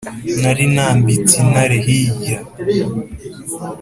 nari nambitse intare hirya.